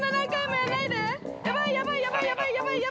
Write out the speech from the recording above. やばい、やばい。